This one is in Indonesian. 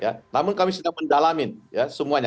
ya namun kami sudah mendalamin ya semuanya